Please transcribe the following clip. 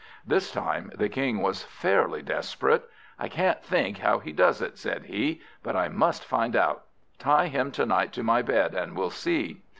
This time the King was fairly desperate. "I can't think how he does it," said he, "but I must find out. Tie him to night to my bed, and we'll see."